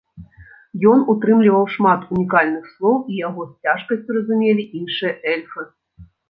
Ён утрымліваў шмат унікальных слоў і яго з цяжкасцю разумелі іншыя эльфы.